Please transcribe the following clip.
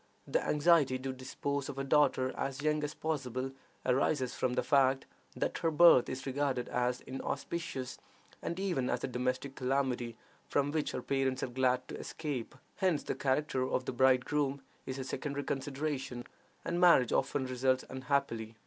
The anxiety to dispose of a daughter as young as possible arises from the fact that her birth is regarded as inauspicious, and even as a domestic calamity, from which her parents are glad to escape. Hence the character of the bridegroom is a secondary consideration, and marriage often results unhappily.